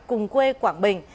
cùng quê quảng bình